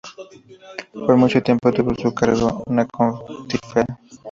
Por mucho tiempo tuvo a su cargo una confitería.